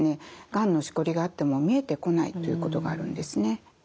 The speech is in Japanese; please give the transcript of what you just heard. がんのしこりがあっても見えてこないということがあるんですね。